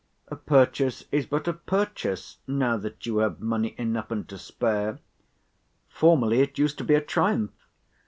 A purchase is but a purchase, now that you have money enough and to spare. Formerly it used to be a triumph.